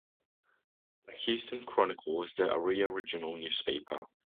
The "Houston Chronicle" is the area regional newspaper.